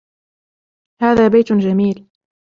هذا بيت جميل.